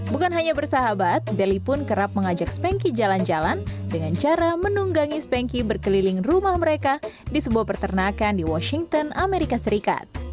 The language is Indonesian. bukan hanya bersahabat deli pun kerap mengajak spanky jalan jalan dengan cara menunggangi spanky berkeliling rumah mereka di sebuah perternakan di washington amerika serikat